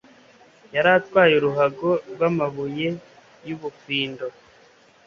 yari atwaye uruhago rw'amabuye y'ubufindo